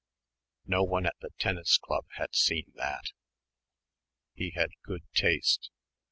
No one at the tennis club had seen that. He had good taste.